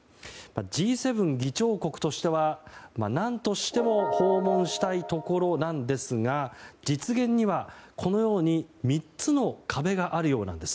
Ｇ７議長国としては何としても訪問したいところなんですが実現には、このように３つの壁があるようなんです。